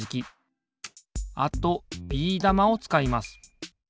あとビー玉をつかいます。